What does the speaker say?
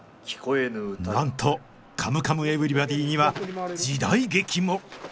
なんと「カムカムエヴリバディ」には時代劇も！